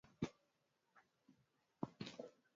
kuenea na kukusanywa hadi vikaunda Agano Jipya